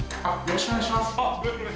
よろしくお願いします